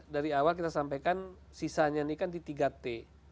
dari awal kita sampaikan sisanya ini kan di tiga t